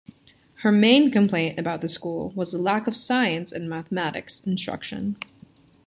Her main complaint about the school was the lack of science and mathematics instruction.